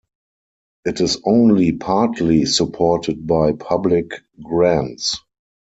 It is only partly supported by public grants.